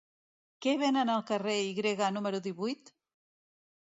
Què venen al carrer Y número divuit?